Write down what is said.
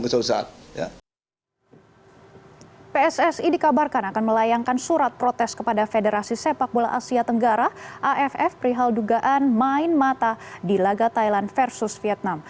ketua umum pssi dikebar akan melayankan surat protes kepada federasi sepak bola asia tenggara aff prihal dugaan main mata di laga thailand versus vietnam